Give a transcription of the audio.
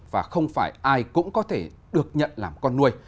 và không phải ai cũng có thể được nhận làm con nuôi